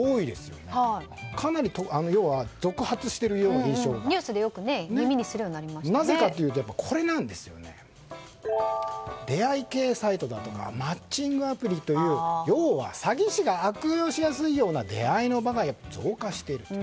要は、かなり続発しているようなニュースでよくなぜかといいますと出会い系サイトだとかマッチングアプリという、要は詐欺師が悪用しやすいような出会いの場が増加していると。